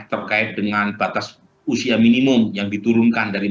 terkait dengan batas usia minimum yang diturunkan dari empat puluh